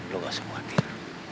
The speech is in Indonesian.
lu gak usah khawatir